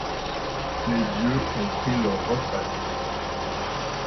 Les dieux ont pris leur retraite.